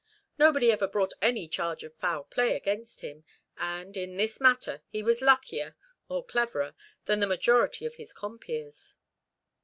Nobody ever brought any charge of foul play against him; and, in this matter, he was luckier, or cleverer, than the majority of his compeers."